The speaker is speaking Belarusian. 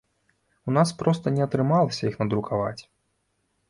У нас проста не атрымалася іх надрукаваць.